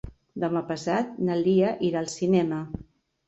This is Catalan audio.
Demà passat na Lia irà al cinema.